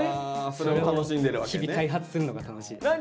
それを日々開発するのが楽しいです。